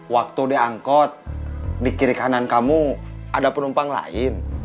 waktu diangkut di kiri kanan kamu ada penumpang lain